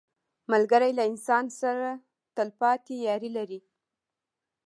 ملګری له انسان سره تل پاتې یاري لري